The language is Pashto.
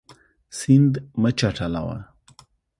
سیند مه چټلوه.